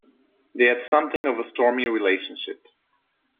They had something of a stormy relationship.